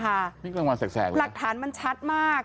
มีการรับภาพแสกหรือเปล่าหลักฐานมันชัดมาก